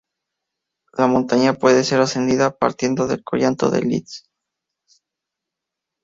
La montaña puede ser ascendida partiendo del collado del Lys.